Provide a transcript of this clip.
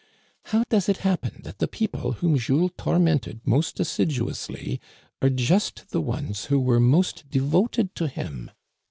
How does it happen that the people whom Jules tormented most assiduously are just the ones who were most devoted to him